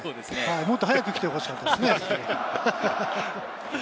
もっと早く来て欲しかったですね。